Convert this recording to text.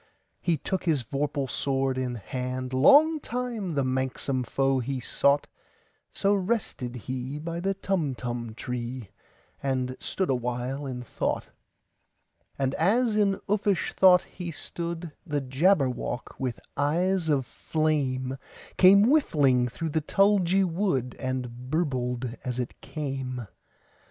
He took his vorpal sword in hand:Long time the manxome foe he sought—So rested he by the Tumtum tree, And stood awhile in thought. And as in uffish thought he stood, The Jabberwock, with eyes of flame, Came whiffling through the tulgey wood, And burbled as it came!